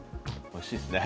おいしいですね。